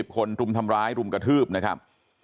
คนรุมทำร้ายรุมกระทืบนะครับ